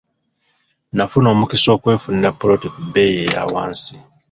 Nafuna omukisa okwefunira ppoloti ku bbeeyi eya wansi.